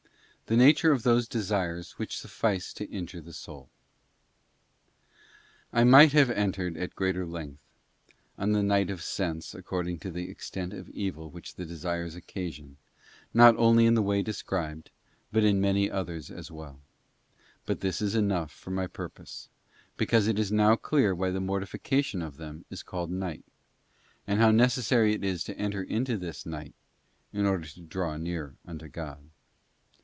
The nature of those desires which suffice to injure the soul. I migut have entered at greater length on the night of sense according to the extent of evil which the desires occasion, not only in the way described, but in many others as well, but this is enough for my purpose, because it is now clear why the mortification of them is called night, and how ne cessary it is to enter into this night in order to draw near unto God.